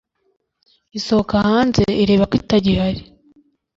isohoka hanze irebako itagihari